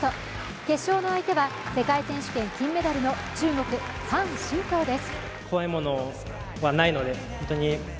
決勝の相手は世界選手権・金メダルの中国、樊振東です。